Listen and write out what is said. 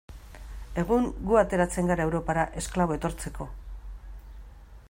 Egun gu ateratzen gara Europara esklabo etortzeko.